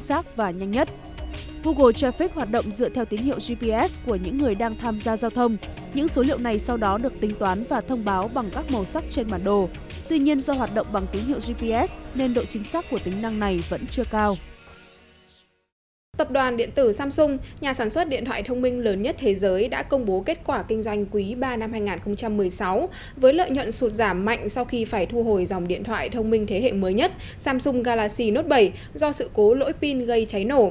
sau khi phải thu hồi dòng điện thoại thông minh thế hệ mới nhất samsung galaxy note bảy do sự cố lỗi pin gây cháy nổ